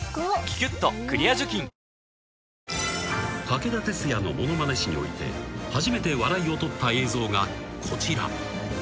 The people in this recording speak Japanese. ［武田鉄矢のものまね史において初めて笑いをとった映像がこちら］